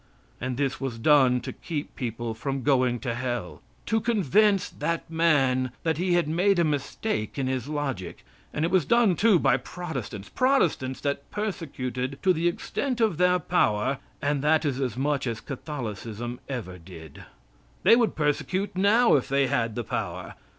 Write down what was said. And this was done to keep people from going to Hell to convince that man that he had made a mistake in his logic and it was done, too, by Protestants Protestants that persecuted to the extent of their power, and that is as much as Catholicism ever did. They would persecute now if they had the power.